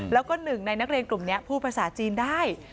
แล้วก็หนึ่งในนักเรียนกลุ่มนี้พูดภาษาจีนได้